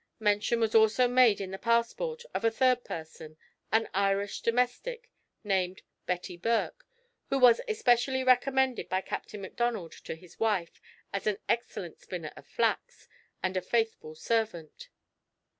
Mention was also made in the passport, of a third person, an Irish domestic, named "Betty Burke," who was especially recommended by Captain Macdonald to his wife, as an "excellent spinner of flax, and a faithful servant."